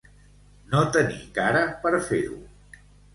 No tenir cara per fer-ho.